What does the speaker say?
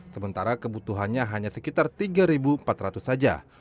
sementara kebutuhannya hanya sekitar tiga empat ratus saja